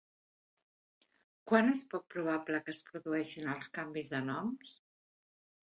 Quan és poc probable que es produeixin els canvis de noms?